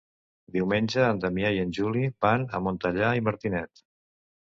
Diumenge na Damià i en Juli van a Montellà i Martinet.